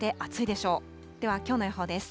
ではきょうの予報です。